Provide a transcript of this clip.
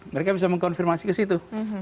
mereka bisa mengkonfirmasi ke situ